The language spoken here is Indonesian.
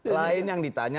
lain yang ditanya